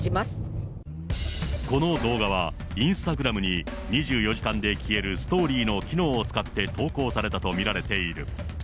この動画は、インスタグラムに、２４時間で消えるストーリーの機能を使って投稿されたと見られている。